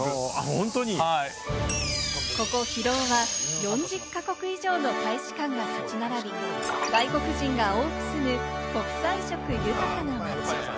ここ広尾は４０か国以上の大使館が立ち並ぶ、外国人が多く住む、国際色豊かな街。